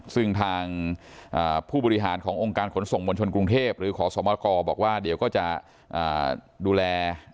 ซึ่งทางผู้บริหารขององค์การขนส่งมวลชนกรุงเทพหรือขอสมกรบอกว่าเดี๋ยวก็จะดูแล